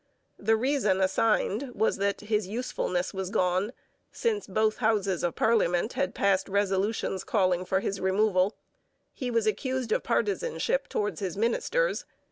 The reason assigned was that his 'usefulness was gone,' since both houses of parliament had passed resolutions calling for his removal. He was accused of partisanship towards his ministers.